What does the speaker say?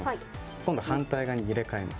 今度は反対に入れ替えます。